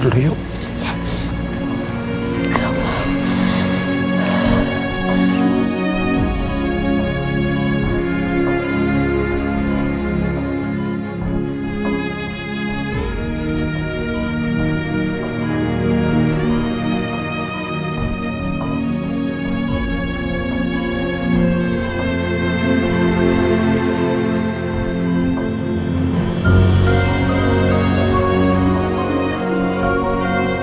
telepon supaya sembuh